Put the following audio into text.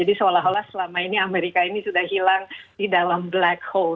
jadi seolah olah selama ini amerika ini sudah hilang di dalam black hole